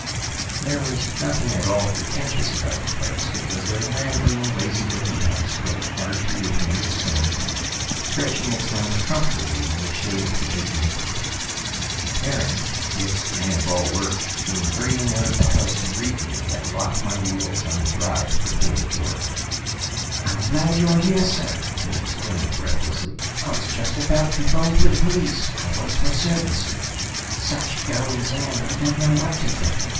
There was nothing at all pretentious about the place; it was a rambling, lazy looking house built largely of native stone, stretching its length comfortably in the shade of the big maples. Perrin, Vic's man of all work, came hurrying out of the house to greet me as I locked my wheels on the drive before the door. "I'm glad you're here, sir!" he exclaimed breathlessly. "I was just about to phone for the police; I was for certain, sir. Such goings on, I don't know what to think!"